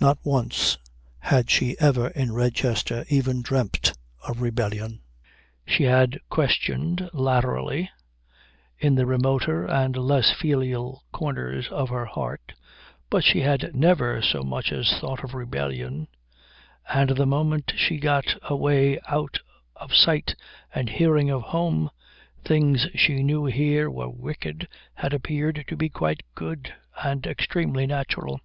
Not once had she ever in Redchester even dreamt of rebellion. She had questioned latterly, in the remoter and less filial corners of her heart, but she had never so much as thought of rebellion. And the moment she got away out of sight and hearing of home, things she knew here were wicked had appeared to be quite good and extremely natural.